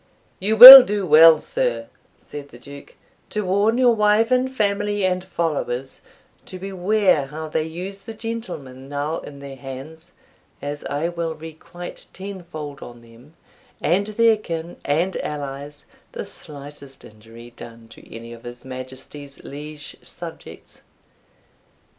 "You will do well, sir," said the Duke, "to warn your wife and family and followers, to beware how they use the gentlemen now in their hands, as I will requite tenfold on them, and their kin and allies, the slightest injury done to any of his Majesty's liege subjects."